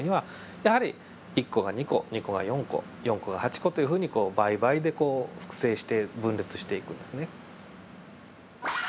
やはり１個が２個２個が４個４個が８個というふうに倍倍で複製して分裂していくんですね。